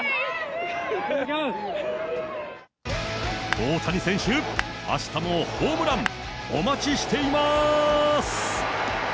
大谷選手、あしたもホームラン、お待ちしています！